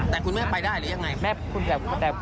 แต่คุณแม่ไปได้หรือยังไง